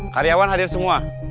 karyawan hadir semua